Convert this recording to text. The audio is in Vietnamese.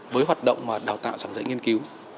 với hoạt động và đào tạo giảng dạy nghiên cứu